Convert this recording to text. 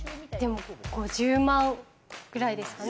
５０万くらいですかね。